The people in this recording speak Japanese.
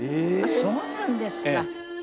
そうなんですか。